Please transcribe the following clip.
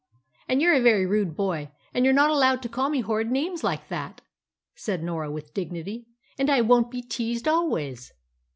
"And you're a very rude boy, and you're not allowed to call me horrid names like that," said Norah with dignity; "and I won't be teased always."